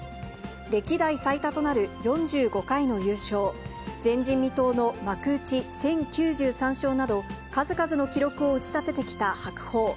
歴代最多となる４５回の優勝、前人未到の幕内１０９３勝など、数々の記録を打ち立ててきた白鵬。